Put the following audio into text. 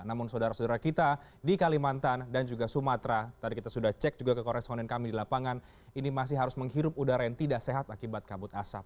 namun saudara saudara kita di kalimantan dan juga sumatera tadi kita sudah cek juga ke koresponden kami di lapangan ini masih harus menghirup udara yang tidak sehat akibat kabut asap